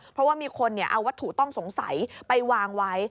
เพราะว่ามีคนเอาวัตถุต้องสงสัยไปวางไว้